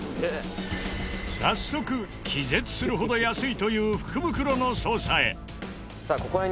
早速気絶するほど安いという福袋の捜査へ。